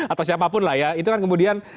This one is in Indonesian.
atau siapapun lah ya itu kan kemudian